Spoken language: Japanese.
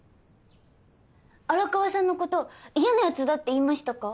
荒川さんのこと嫌なやつだって言いましたか？